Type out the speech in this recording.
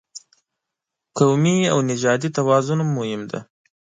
قومي او نژادي توازن هم مهم دی.